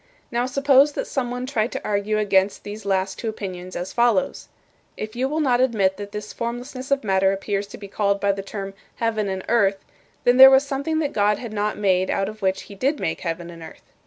Now suppose that someone tried to argue against these last two opinions as follows: "If you will not admit that this formlessness of matter appears to be called by the term 'heaven and earth,' then there was something that God had not made out of which he did make heaven and earth.